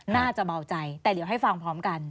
น่าจะเบาใจแต่เดี๋ยวให้ฟังพร้อมกัน